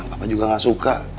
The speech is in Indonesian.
papa juga gak suka